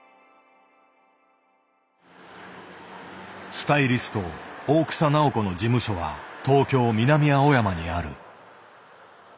スタイリスト大草直子の事務所は東京・南青山にある。